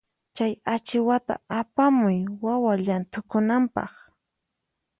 Chay achiwata apamuy wawa llanthukunanpaq.